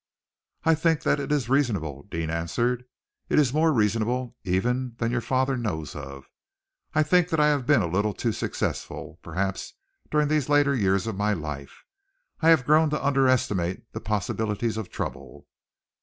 "I think that it is reasonable," Deane answered. "It is more reasonable, even, than your father knows of. I think that I have been a little too successful, perhaps, during these later years of my life. I have grown to underestimate the possibilities of trouble."